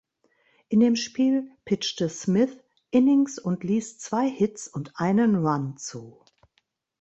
In dem Spiel pitchte Smith Innings und ließ zwei Hits und einen Run zu.